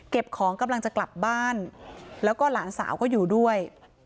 ของกำลังจะกลับบ้านแล้วก็หลานสาวก็อยู่ด้วย